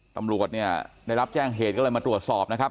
ตำรวจเนี่ยได้รับแจ้งเหตุก็เลยมาตรวจสอบนะครับ